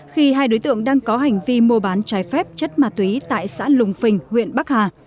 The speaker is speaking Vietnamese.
khi hai đối tượng đang có hành vi mua bán trái phép chất ma túy tại xã lùng phình huyện bắc hà